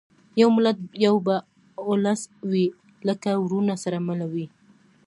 یو ملت یو به اولس وي لکه وروڼه سره مله وي